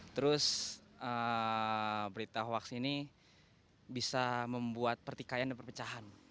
terus berita hoaks ini bisa membuat pertikaian dan perpecahan